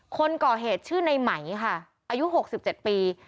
คนก่อเหตุชื่อในไหมค่ะอายุ๖๗ปี